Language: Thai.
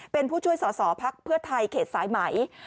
เป็นผู้ช่วยสอสอพักเพื่อไทยเขตสายไหม